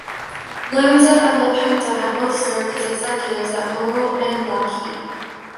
Lanza and LaPenta had both served as executives at Loral and Lockheed.